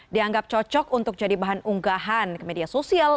dianggap cocok untuk jadi bahan unggahan ke media sosial